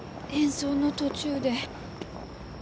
演奏の途中で。